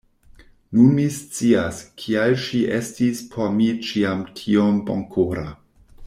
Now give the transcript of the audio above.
Nun mi scias, kial ŝi estis por mi ĉiam tiom bonkora.